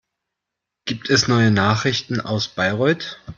Gibt es neue Nachrichten aus Bayreuth?